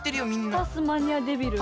タスマニアデビル？